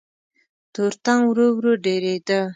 تورتم ورو ورو ډېرېده.